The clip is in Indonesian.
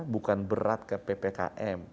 bukan berat ke ppkm